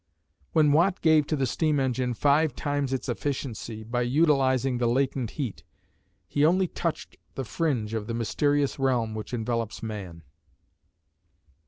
When Watt gave to the steam engine five times its efficiency by utilising the latent heat, he only touched the fringe of the mysterious realm which envelops man.